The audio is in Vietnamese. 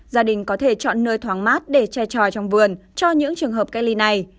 gia đình có thể chọn nơi thoáng mát để che tròi trong vườn cho những trường hợp cách ly này